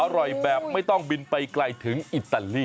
อร่อยแบบไม่ต้องบินไปไกลถึงอิตาลี